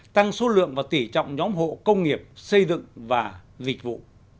tăng số lượng và tỉ trọng nhóm hộ công nghiệp xây dựng và dịch vụ